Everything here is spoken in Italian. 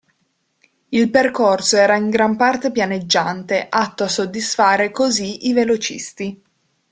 Il percorso era in gran parte pianeggiante, atto a soddisfare così i velocisti.